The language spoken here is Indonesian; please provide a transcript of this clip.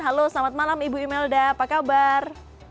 halo selamat malam ibu imelda apa kabar